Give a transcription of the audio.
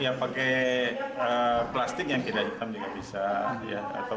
ya pakai plastik yang tidak hitam juga bisa